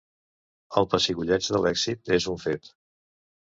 El pessigolleig de l'èxit és un fet.